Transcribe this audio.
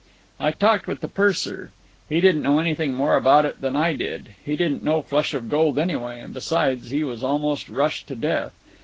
"I talked with the purser. He didn't know anything more about it than I did; he didn't know Flush of Gold, anyway, and besides, he was almost rushed to death.